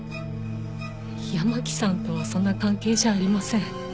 山木さんとはそんな関係じゃありません。